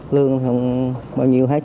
lương không bao nhiêu hết